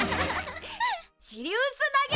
シリウス投げ！